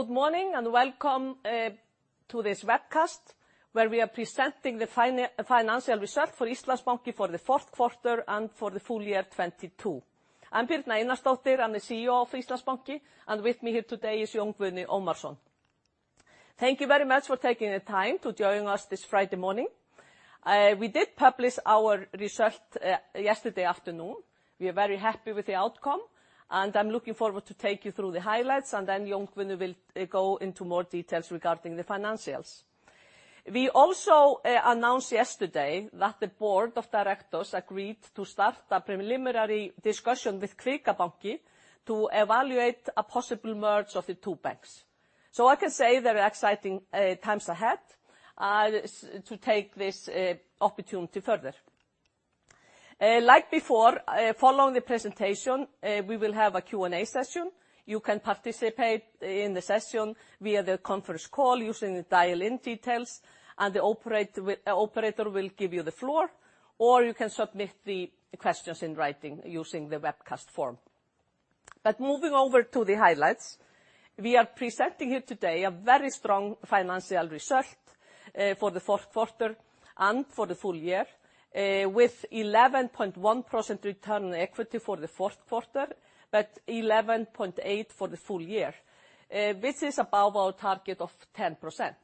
Good morning, and welcome to this webcast, where we are presenting the financial result for Íslandsbanki for the fourth quarter and for the full year 2022. I'm Birna Einarsdóttir. I'm the CEO of Íslandsbanki, and with me here today is Jón Guðni Ómarsson. Thank you very much for taking the time to join us this Friday morning. We did publish our result yesterday afternoon. We are very happy with the outcome, and I'm looking forward to take you through the highlights, and then Jón Guðni will go into more details regarding the financials. We also announced yesterday that the Board of Directors agreed to start a preliminary discussion with Kvika banki to evaluate a possible merge of the two banks. I can say there are exciting times ahead to take this opportunity further. Like before, following the presentation, we will have a Q&A session. You can participate in the session via the conference call using the dial-in details, and the operator will give you the floor, or you can submit the questions in writing using the webcast form. Moving over to the highlights, we are presenting here today a very strong financial result for the fourth quarter and for the full year, with 11.1% return equity for the fourth quarter, but 11.8% for the full year, which is above our target of 10%.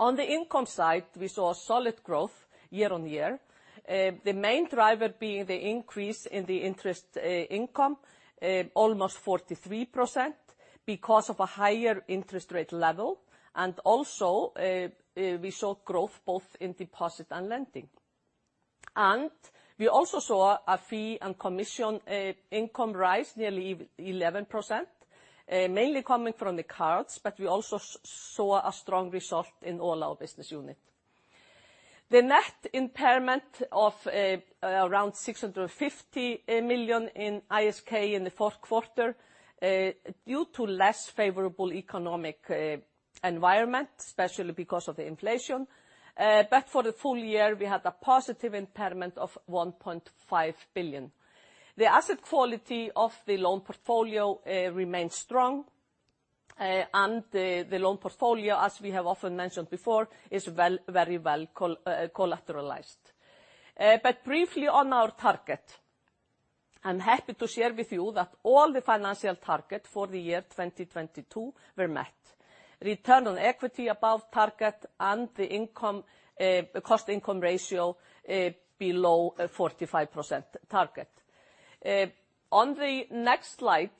On the income side, we saw solid growth year-over-year. The main driver being the increase in the interest income, almost 43% because of a higher interest rate level, and also, we saw growth both in deposit and lending. We also saw a fee and commission income rise nearly 11%, mainly coming from the cards, but we also saw a strong result in all our business unit. The net impairment of around 650 million ISK in the fourth quarter, due to less favorable economic environment, especially because of the inflation. For the full year, we had a positive impairment of 1.5 billion. The asset quality of the loan portfolio remains strong, and the loan portfolio, as we have often mentioned before, is well, very well collateralized. But briefly on our target, I'm happy to share with you that all the financial target for the year 2022 were met. Return on equity above target and the income, cost income ratio, below 45% target. On the next slide,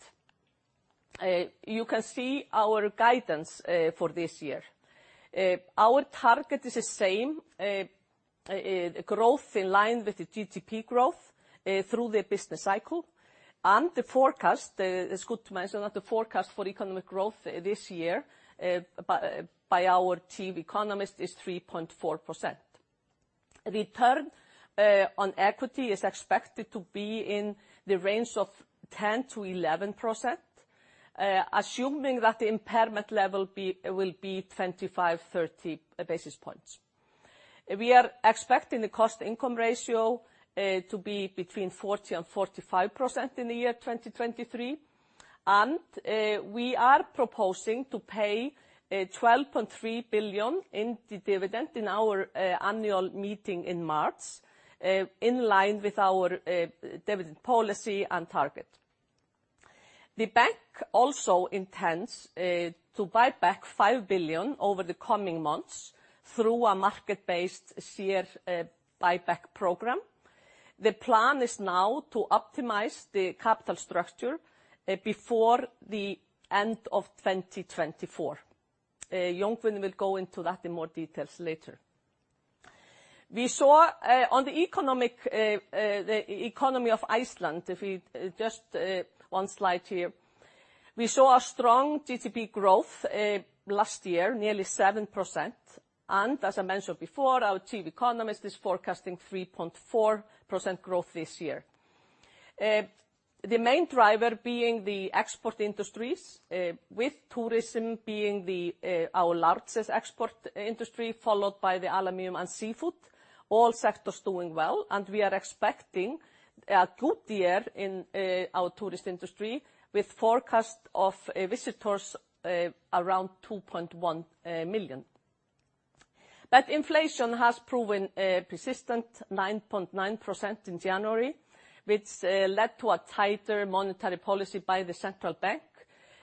you can see our guidance for this year. Our target is the same, growth in line with the GDP growth through the business cycle. The forecast, it's good to mention that the forecast for economic growth this year, by our chief economist is 3.4%. Return on equity is expected to be in the range of 10%-11%, assuming that the impairment level will be 25-30 basis points. We are expecting the cost income ratio to be between 40% and 45% in the year 2023, and we are proposing to pay 12.3 billion in dividend in our annual meeting in March, in line with our dividend policy and target. The bank also intends to buy back 5 billion over the coming months through a market-based share buyback program. The plan is now to optimize the capital structure before the end of 2024. Jón Guðni will go into that in more details later. We saw on the economic the economy of Iceland, if we just one slide here. We saw a strong GDP growth last year, nearly 7%, and as I mentioned before, our chief economist is forecasting 3.4% growth this year. The main driver being the export industries, with tourism being the, our largest export industry, followed by the aluminum and seafood. All sectors doing well. We are expecting a good year in our tourist industry with forecast of visitors around 2.1 million. Inflation has proven persistent, 9.9% in January, which led to a tighter monetary policy by the central bank,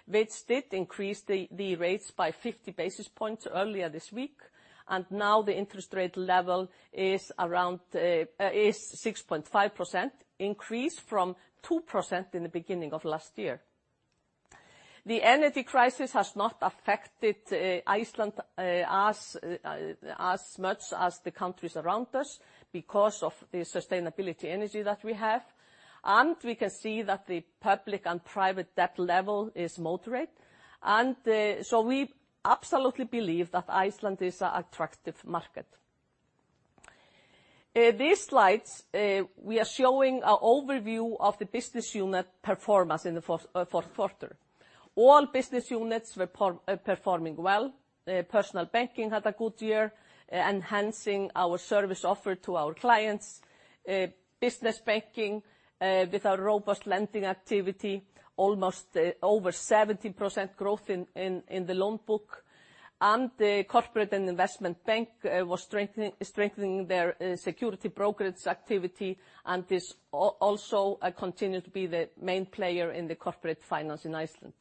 which did increase the rates by 50 basis points earlier this week, and now the interest rate level is around 6.5%, increased from 2% in the beginning of last year. The energy crisis has not affected Iceland as much as the countries around us because of the sustainability energy that we have, and we can see that the public and private debt level is moderate, and so we absolutely believe that Iceland is an attractive market. These slides, we are showing a overview of the business unit performance in the fourth quarter. All business units were performing well. Personal banking had a good year, enhancing our service offer to our clients. Business banking, with our robust lending activity, almost over 70% growth in the loan book. The corporate and investment bank was strengthening their securities brokerage activity, and this also continued to be the main player in the corporate finance in Iceland.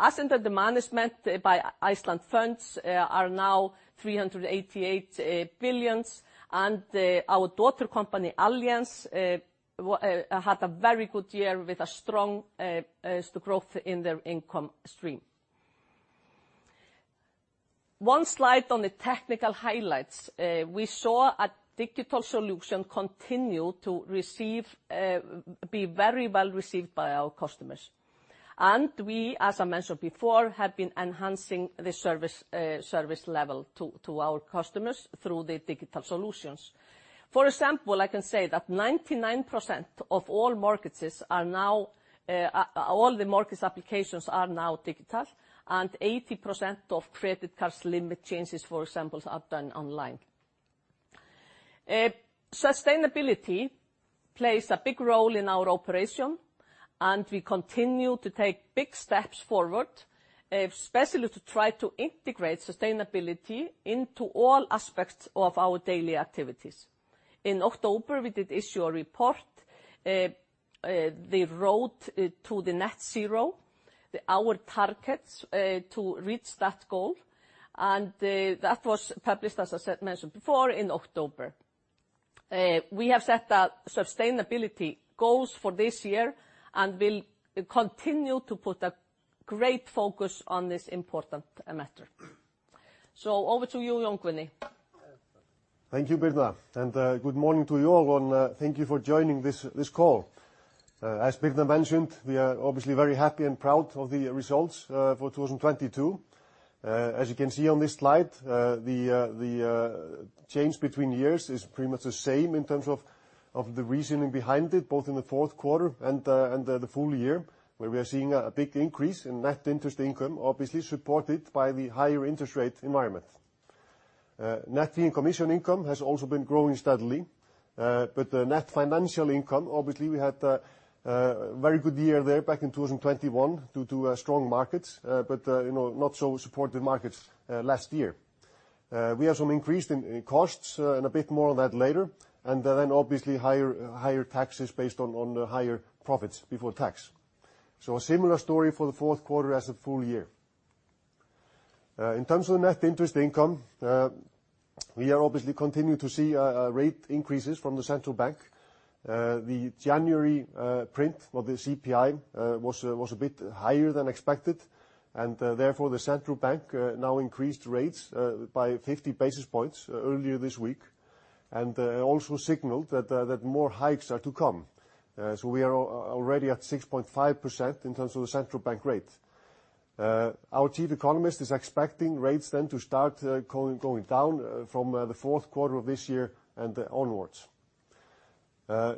Assets under management by Iceland Funds are now 388 billion, and our daughter company, Allianz, had a very good year with a strong growth in their income stream. One slide on the technical highlights. We saw a digital solution continue to receive, be very well received by our customers. We, as I mentioned before, have been enhancing the service level to our customers through the digital solutions. For example, I can say that 99% of all mortgages are now, all the mortgage applications are now digital, and 80% of credit cards limit changes, for example, are done online. Sustainability plays a big role in our operation, and we continue to take big steps forward, especially to try to integrate sustainability into all aspects of our daily activities. In October, we did issue a report, the Road to Net Zero, the our targets to reach that goal. That was published, as I said, mentioned before, in October. We have set our sustainability goals for this year, and we'll continue to put a great focus on this important matter. Over to you, Jón Guðni. Thank you, Birna. Good morning to you all, and thank you for joining this call. As Birna mentioned, we are obviously very happy and proud of the results for 2022. As you can see on this slide, the change between years is pretty much the same in terms of the reasoning behind it, both in the fourth quarter and the full year, where we are seeing a big increase in net interest income, obviously supported by the higher interest rate environment. Net fee and commission income has also been growing steadily. The net financial income, obviously, we had a very good year there back in 2021 due to strong markets, but, you know, not so supportive markets last year. We have some increase in costs, and a bit more on that later. Then, obviously, higher taxes based on the higher profits before tax. A similar story for the fourth quarter as the full year. In terms of net interest income, we are obviously continuing to see rate increases from the central bank. The January print for the CPI was a bit higher than expected, and therefore, the central bank now increased rates by 50 basis points earlier this week, and also signaled that more hikes are to come. We are already at 6.5% in terms of the central bank rate. Our chief economist is expecting rates then to start going down from the fourth quarter of this year and onwards.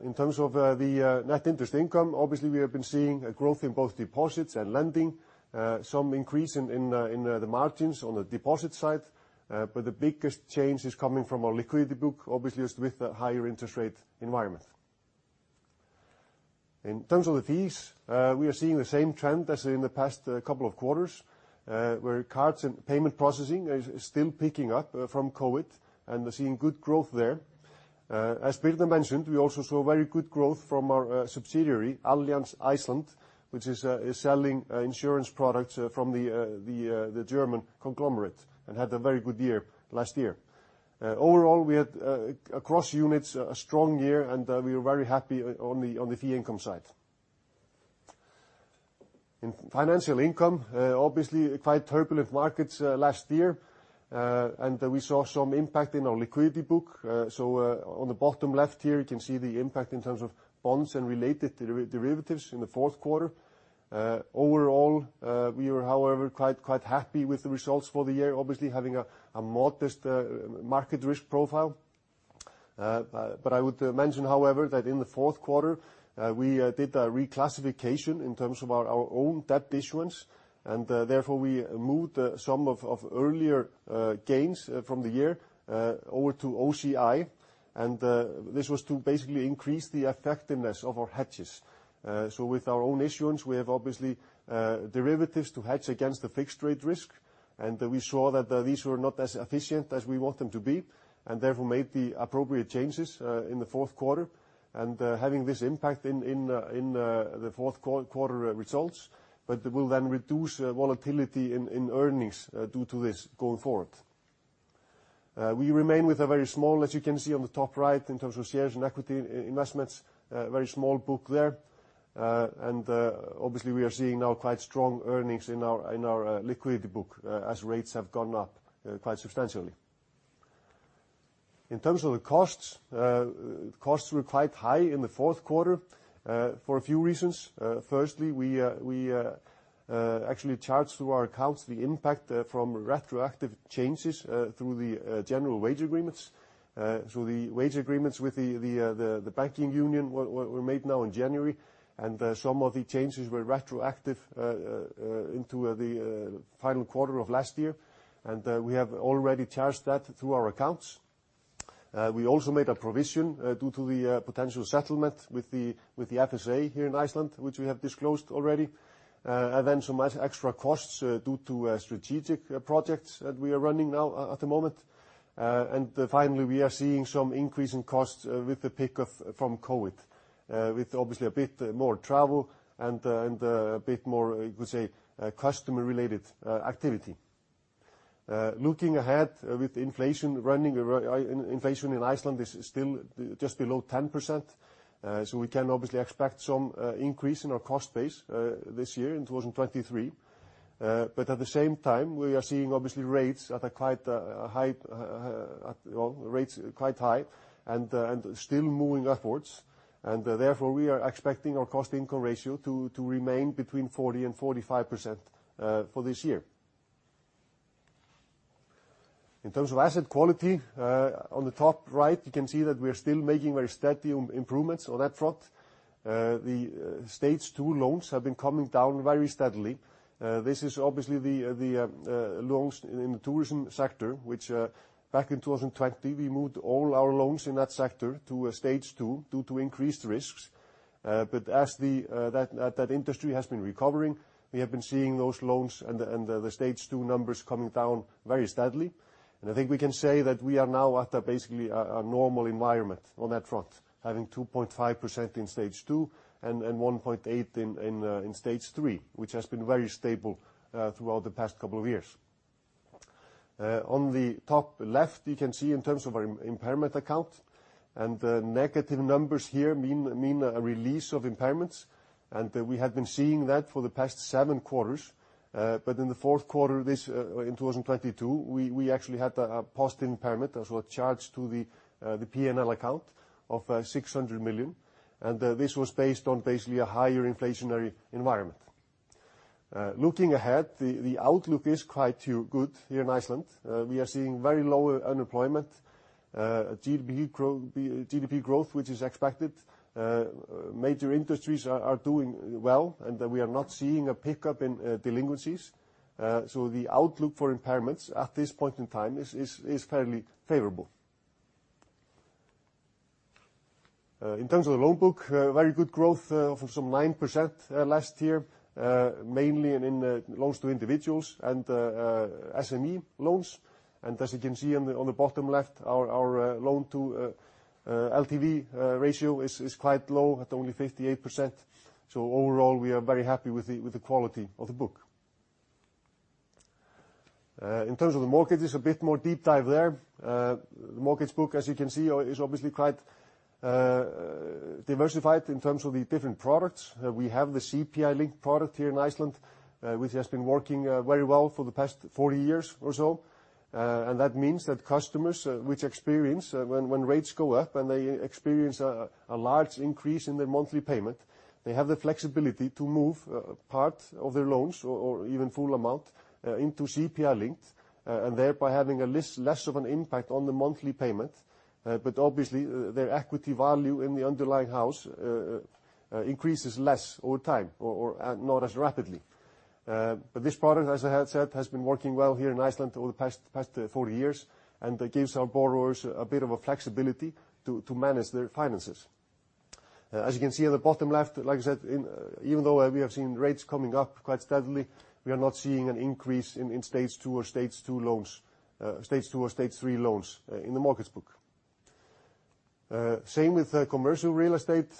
In terms of the net interest income, obviously, we have been seeing a growth in both deposits and lending, some increase in the margins on the deposit side, but the biggest change is coming from our liquidity book, obviously, is with the higher interest rate environment. In terms of the fees, we are seeing the same trend as in the past couple of quarters, where cards and payment processing is still picking up from COVID, and we're seeing good growth there. As Birna mentioned, we also saw very good growth from our subsidiary, Allianz Iceland, which is selling insurance products from the German conglomerate and had a very good year last year. Overall, we had across units a strong year, and we are very happy on the fee income side. In financial income, obviously quite turbulent markets last year, and we saw some impact in our liquidity book. On the bottom left here, you can see the impact in terms of bonds and related derivatives in the fourth quarter. Overall, we were, however, quite happy with the results for the year, obviously having a modest market risk profile. But I would mention, however, that in the fourth quarter, we did a reclassification in terms of our own debt issuance, and therefore, we moved some of earlier gains from the year over to OCI. This was to basically increase the effectiveness of our hedges. With our own issuance, we have, obviously, derivatives to hedge against the fixed rate risk. We saw that these were not as efficient as we want them to be, and therefore made the appropriate changes in the fourth quarter, and having this impact in the fourth quarter results, but will then reduce volatility in earnings due to this going forward. We remain with a very small, as you can see on the top right, in terms of shares and equity investments, very small book there. Obviously, we are seeing now quite strong earnings in our liquidity book, as rates have gone up quite substantially. In terms of the costs were quite high in the fourth quarter for a few reasons. Firstly, we actually charged through our accounts the impact from retroactive changes through the general wage agreements. The wage agreements with the banking union were made now in January, some of the changes were retroactive into the final quarter of last year. We have already charged that through our accounts. We also made a provision due to the potential settlement with the FSA here in Iceland, which we have disclosed already. Some extra costs due to strategic projects that we are running now at the moment. Finally, we are seeing some increase in costs with the pickup from COVID, with obviously a bit more travel and and a bit more, you could say, customer-related activity. Looking ahead, with inflation running, inflation in Iceland is still just below 10%, we can obviously expect some increase in our cost base this year in 2023. At the same time, we are seeing obviously rates at a quite high well rates quite high and and still moving upwards. Therefore we are expecting our cost income ratio to remain between 40%-45% for this year. In terms of asset quality, on the top right, you can see that we are still making very steady improvements on that front. The Stage 2 loans have been coming down very steadily. This is obviously the loans in the tourism sector, which back in 2020, we moved all our loans in that sector to a Stage 2 due to increased risks. As that industry has been recovering, we have been seeing those loans and the Stage 2 numbers coming down very steadily. I think we can say that we are now at a basically a normal environment on that front, having 2.5% in Stage 2 and 1.8% in Stage 3, which has been very stable throughout the past couple of years. On the top left, you can see in terms of our impairment account, and the negative numbers here mean a release of impairments. We have been seeing that for the past seven quarters. In the fourth quarter, in 2022, we actually had a net impairment, as well a charge to the P&L account of 600 million. This was based on basically a higher inflationary environment. Looking ahead, the outlook is quite good here in Iceland. We are seeing very low unemployment, GDP growth, which is expected. Major industries are doing well, and we are not seeing a pickup in delinquencies. The outlook for impairments at this point in time is fairly favorable. In terms of the loan book, very good growth of some 9% last year, mainly in loans to individuals and SME loans. As you can see on the bottom left, our loan to LTV ratio is quite low at only 58%. Overall, we are very happy with the quality of the book. In terms of the mortgages, a bit more deep dive there. The mortgage book, as you can see, is obviously quite diversified in terms of the different products. We have the CPI-linked product here in Iceland, which has been working very well for the past 40 years or so. That means that customers which experience when rates go up and they experience a large increase in their monthly payment, they have the flexibility to move part of their loans or even full amount into CPI-linked, and thereby having less of an impact on the monthly payment. Obviously their equity value in the underlying house increases less over time or not as rapidly. This product, as I had said, has been working well here in Iceland over the past 40 years, and it gives our borrowers a bit of a flexibility to manage their finances. As you can see on the bottom left, like I said, even though we have seen rates coming up quite steadily, we are not seeing an increase in Stage 2 or Stage 3 loans in the markets book. Same with commercial real estate.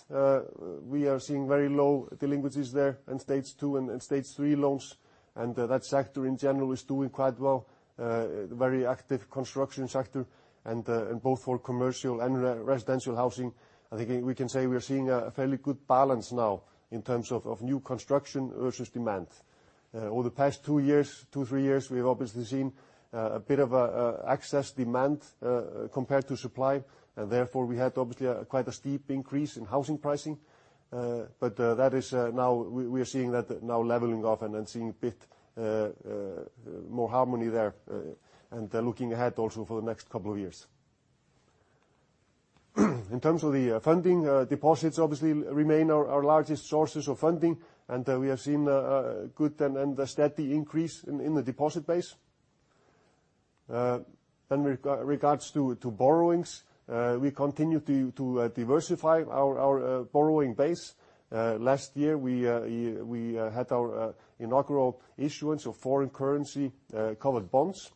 We are seeing very low delinquencies there in Stage 2 and Stage 3 loans, and that sector in general is doing quite well. Very active construction sector and both for commercial and residential housing. I think we can say we are seeing a fairly good balance now in terms of new construction versus demand. Over the past two years, two, three years, we have obviously seen a bit of an excess demand compared to supply, and therefore we had obviously quite a steep increase in housing pricing. That is now we are seeing that now leveling off and then seeing a bit more harmony there and looking ahead also for the next couple of years. In terms of the funding, deposits obviously remain our largest sources of funding, and we have seen a good and a steady increase in the deposit base. Regards to borrowings, we continue to diversify our borrowing base. Last year, we had our inaugural issuance of foreign currency covered bonds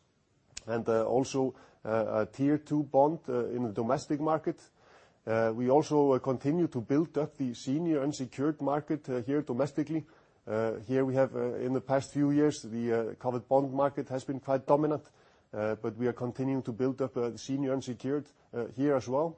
and also a Tier 2 bond in the domestic market. We also continue to build up the senior unsecured market here domestically. Here we have in the past few years, the covered bond market has been quite dominant, but we are continuing to build up the senior unsecured here as well.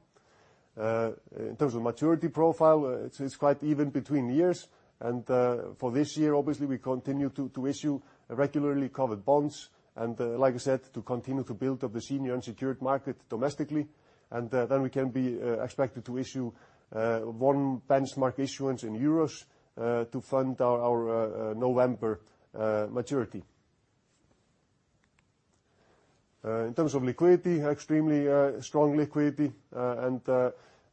In terms of maturity profile, it's quite even between years. For this year, obviously, we continue to issue regularly covered bonds and, like I said, to continue to build up the senior unsecured market domestically. Then we can be expected to issue one benchmark issuance in EUR to fund our November maturity. In terms of liquidity, extremely strong liquidity, and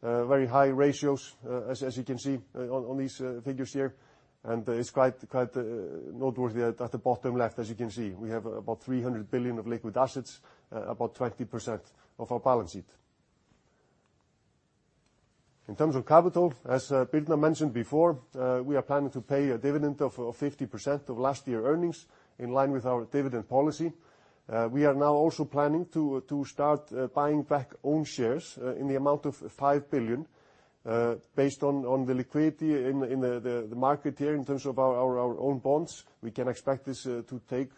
very high ratios, as you can see on these figures here. It's quite noteworthy at the bottom left, as you can see. We have about 300 billion of liquid assets, about 20% of our balance sheet. In terms of capital, as Birna mentioned before, we are planning to pay a dividend of 50% of last year earnings in line with our dividend policy. We are now also planning to start buying back own shares in the amount of 5 billion, based on the liquidity in the market here in terms of our own bonds. We can expect this to take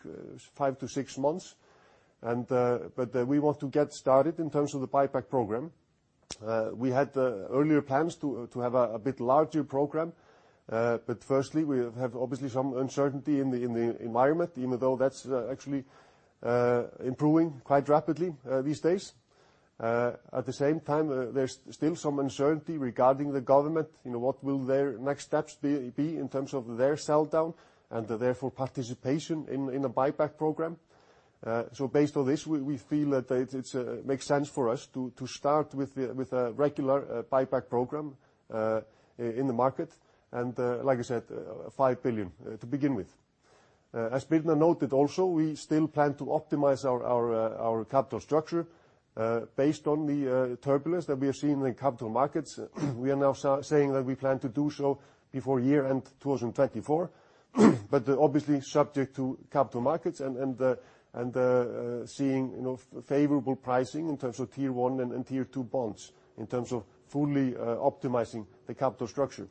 five-six months. We want to get started in terms of the buyback program. We had earlier plans to have a bit larger program. Firstly, we have obviously some uncertainty in the environment, even though that's actually improving quite rapidly these days. At the same time, there's still some uncertainty regarding the government. You know, what will their next steps be in terms of their sell-down and therefore participation in a buyback program. Based on this, we feel that it makes sense for us to start with a regular buyback program in the market. Like I said, 5 billion to begin with. As Birna noted also, we still plan to optimize our capital structure, based on the turbulence that we are seeing in capital markets. We are now saying that we plan to do so before year-end 2024, obviously subject to capital markets and the seeing, you know, favorable pricing in terms of Tier 1 and Tier 2 bonds, in terms of fully optimizing the capital structure.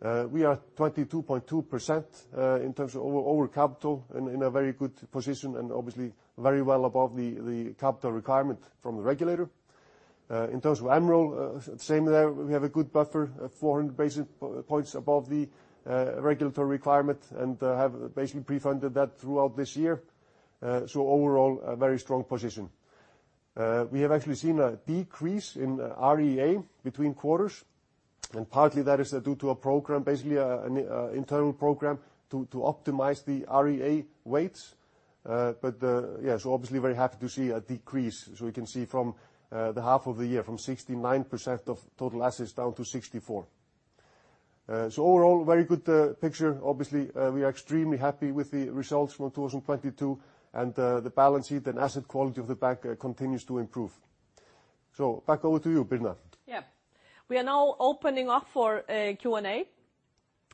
We are 22.2% in terms of over capital and in a very good position and obviously very well above the capital requirement from the regulator. In terms of MREL, same there. We have a good buffer, 400 basis points above the regulatory requirement and have basically pre-funded that throughout this year. Overall, a very strong position. We have actually seen a decrease in REA between quarters, and partly that is due to a program, basically, an internal program to optimize the REA weights. But, yeah. Obviously very happy to see a decrease, as we can see from the half of the year, from 69% of total assets down to 64%. Overall, very good picture. Obviously, we are extremely happy with the results from 2022, and the balance sheet and asset quality of the bank continues to improve. Back on to you Birna. Yeah. We are now opening up for a Q&A.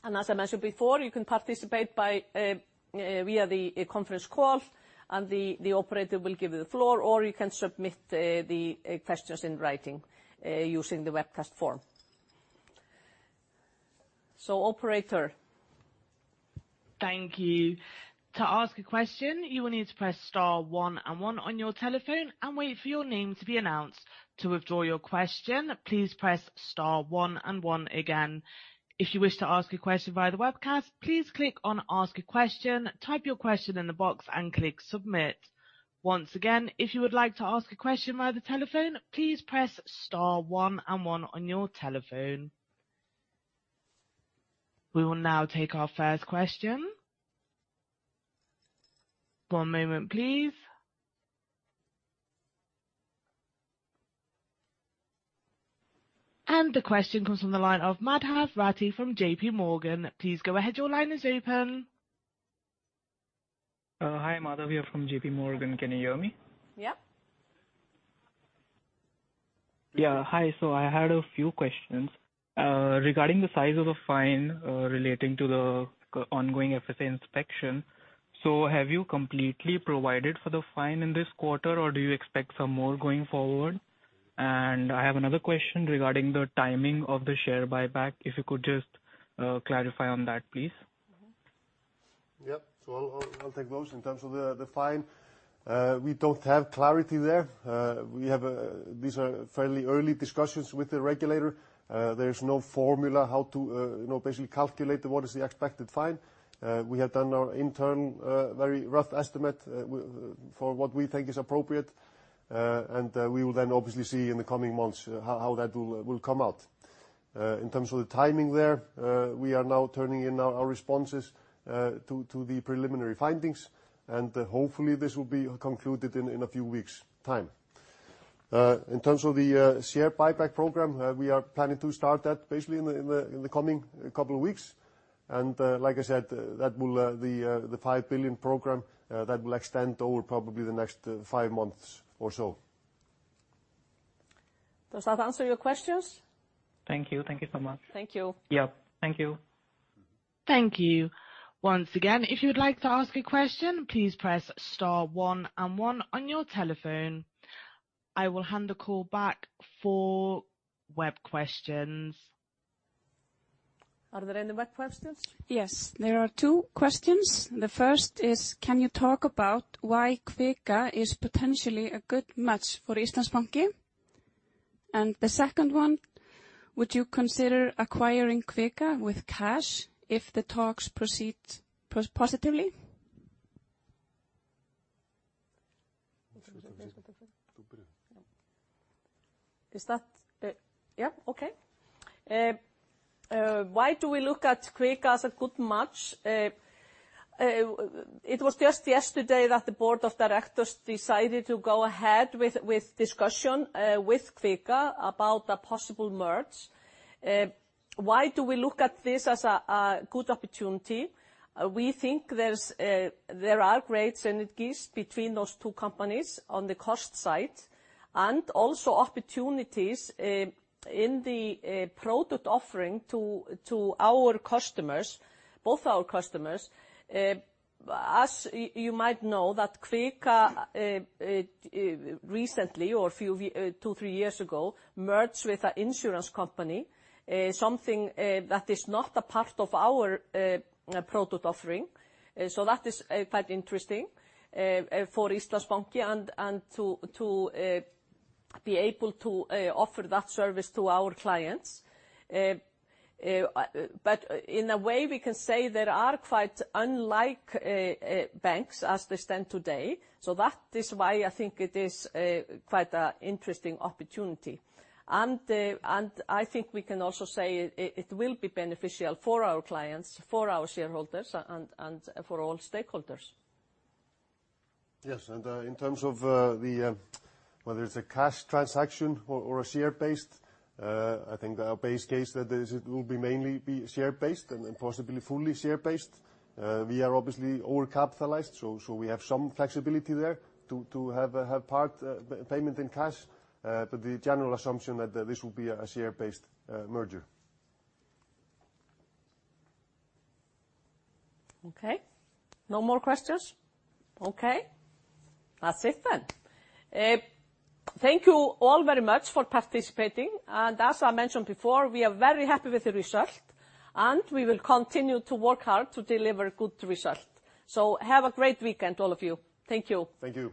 As I mentioned before, you can participate by via the conference call, and the operator will give you the floor, or you can submit the questions in writing using the webcast form. Operator? Thank you. To ask a question, you will need to press star one and one on your telephone and wait for your name to be announced. To withdraw your question, please press star one and one again. If you wish to ask a question via the webcast, please click on "Ask a question," type your question in the box and click Submit. Once again, if you would like to ask a question via the telephone, please press star one and one on your telephone. We will now take our first question. One moment, please. The question comes from the line of Madhav Rathi from JPMorgan. Please go ahead. Your line is open. Hi. Madhav here from JPMorgan. Can you hear me? Yep. Hi. I had a few questions. Regarding the size of the fine, relating to the ongoing FSA inspection, have you completely provided for the fine in this quarter, or do you expect some more going forward? I have another question regarding the timing of the share buyback, if you could just clarify on that, please. Mm-hmm. Yep. I'll take those. In terms of the fine, we don't have clarity there. We have, these are fairly early discussions with the regulator. There's no formula how to, you know, basically calculate what is the expected fine. We have done our intern, very rough estimate for what we think is appropriate. We will then obviously see in the coming months how that will come out. In terms of the timing there, we are now turning in our responses to the preliminary findings, and hopefully this will be concluded in a few weeks' time. In terms of the share buyback program, we are planning to start that basically in the coming couple of weeks. Like I said, that will, the 5 billion program, that will extend over probably the next, five months or so. Does that answer your questions? Thank you. Thank you so much. Thank you. Yep. Thank you. Thank you. Once again, if you'd like to ask a question, please press star one and one on your telephone. I will hand the call back for web questions. Are there any web questions? Yes, there are two questions. The first is: Can you talk about why Kvika is potentially a good match for Íslandsbanki? The second one: Would you consider acquiring Kvika with cash if the talks proceed positively? Is that... Yeah, okay. Why do we look at Kvika as a good match? It was just yesterday that the board of directors decided to go ahead with discussion with Kvika about a possible merge. Why do we look at this as a good opportunity? We think there's there are great synergies between those two companies on the cost side, and also opportunities in the product offering to our customers, both our customers. As you might know, that Kvika recently or two, three years ago, merged with an insurance company, something that is not a part of our product offering. So that is quite interesting for Íslandsbanki and to be able to offer that service to our clients. In a way, we can say they are quite unlike banks as they stand today. That is why I think it is quite a interesting opportunity. I think we can also say it will be beneficial for our clients, for our shareholders and for all stakeholders. Yes. In terms of the whether it's a cash transaction or a share based, I think our base case that is, it will be mainly be share based and then possibly fully share based. We are obviously overcapitalized, so we have some flexibility there to have part payment in cash, the general assumption that this will be a share based merger. Okay. No more questions? Okay. That's it then. Thank you all very much for participating. As I mentioned before, we are very happy with the result, and we will continue to work hard to deliver good result. Have a great weekend, all of you. Thank you. Thank you.